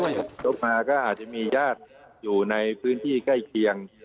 พอมาก็อาจจะมีญาติอยู่ในพื้นที่ใกล้เคียง